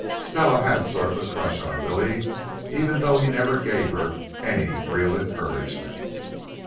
Stella had sort of a crush on Willie, even though he never gave her any real encouragement.